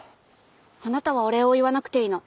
あなたはお礼を言わなくていいの。